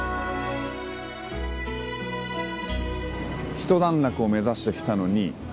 ひと段落を目指してきたのに